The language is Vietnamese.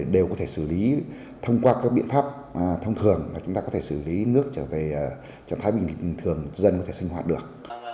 đều có thể xử lý thông qua các biện pháp thông thường là chúng ta có thể xử lý nước trở về trạng thái bình thường dân có thể sinh hoạt được